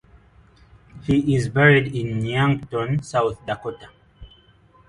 He is buried in Yankton, South Dakota.